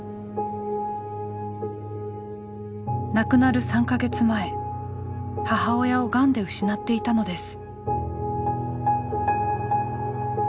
亡くなる３か月前母親をがんで失っていたのです。